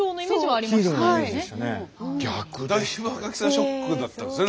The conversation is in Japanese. ショックだったですよね。